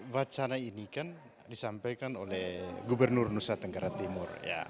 wacana ini kan disampaikan oleh gubernur nusa tenggara timur